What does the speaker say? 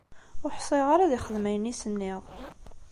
Ur ḥṣiɣ ara ad ixdem ayen i s-nniɣ